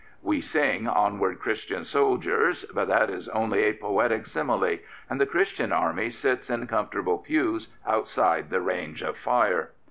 We sing Onward, Christian Soldiers," but that is only a poetical simile, and the Christian army sits in comfortable pews outside the range of fire.